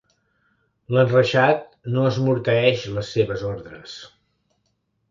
L'enreixat no esmorteeix les seves ordres.